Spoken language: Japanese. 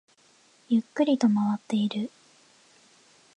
ゆっくりと回っている